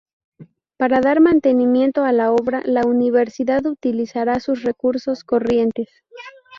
Para dar mantenimiento a la obra, la Universidad utilizará sus recursos corrientes.